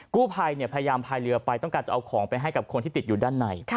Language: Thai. กู้ภัยพยายามพายเรือไปต้องการจะเอาของไปให้กับคนที่ติดอยู่ด้านใน